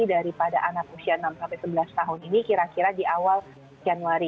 daripada anak usia enam sebelas tahun ini kira kira di awal januari